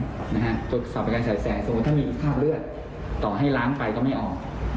ตรวจสอบอาการแสงสมมุติถ้ามีคราบเลือดต่อให้ล้างไปก็ไม่ออก